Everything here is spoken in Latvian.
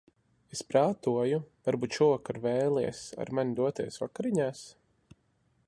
Es prātoju, varbūt šovakar vēlies ar mani doties vakariņās?